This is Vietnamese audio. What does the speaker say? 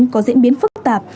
có diễn biến phức tạp